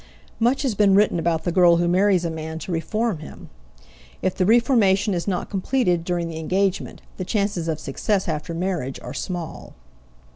Much has been written about the girl who marries a man to reform him; if the reformation is not completed during the engagement, the chances of success after marriage are small.